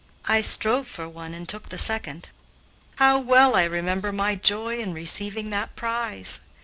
I strove for one and took the second. How well I remember my joy in receiving that prize.